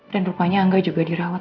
dan rupanya angga juga dirawat